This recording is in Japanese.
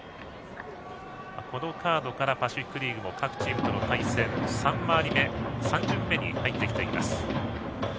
このカードからパシフィック・リーグも各チームとの対戦３巡目に入ってきています。